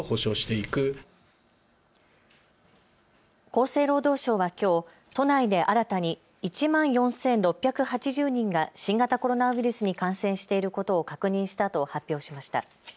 厚生労働省はきょう都内で新たに１万４６８０人が新型コロナウイルスに感染していることを確認したと発表しました。